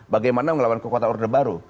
bagaimana melawan kekuatan order baru